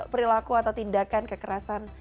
perlaku atau tindakan kekerasan